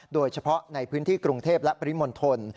โดยเฉพาะในพื้นที่กรุงเทพและปริมณฑล